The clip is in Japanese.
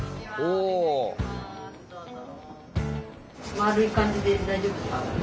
丸い感じで大丈夫ですか？